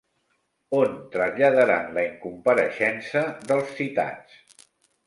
On traslladaran la incompareixença dels citats?